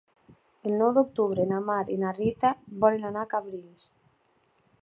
El nou d'octubre na Mar i na Rita volen anar a Cabrils.